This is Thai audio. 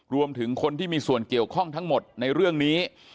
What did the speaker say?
รวมถึงคนที่มีส่วนเกี่ยวข้องทั้งหมดในเรื่องนี้